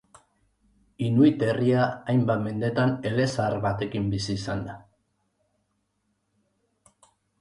Inuit herria hainbat mendetan elezahar batekin bizi izan da.